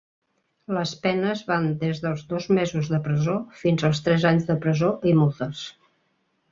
Les penes van des dels dos mesos de presó fins als tres anys de presó i multes.